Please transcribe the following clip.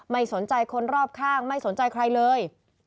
ไม่สนใจคนรอบข้างไม่สนใจใครเลย